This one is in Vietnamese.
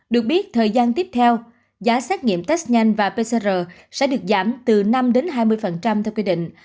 được biết thời gian tiếp theo giá xét nghiệm test nhanh và pcr sẽ được giảm từ năm hai mươi theo quy định